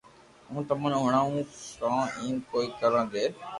ھون تمو ني ھڻاوُ ڪو ايم ڪوئي ڪرو جي